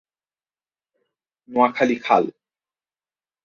নোয়াখালী খাল